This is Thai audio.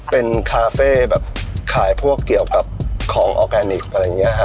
เป็นคาเฟ่แบบขายพวกเกี่ยวกับของออร์แกนิคอะไรอย่างนี้ค่ะ